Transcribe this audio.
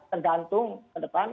tergantung ke depan